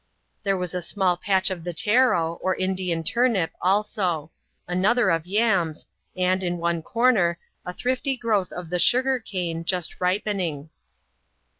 There was a small patch of the taro, or Indian turnip, also ; another of yams ; and, in one comer, a thrifty growth of the sugar cane, just ripening.